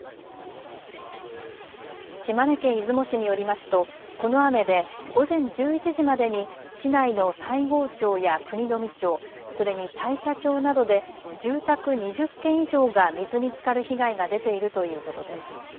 島根県出雲市によりますとこの雨で午前１１時までに市内の西郷町や国富町、それに大社町などで住宅２０軒以上が水につかる被害が出ているということです。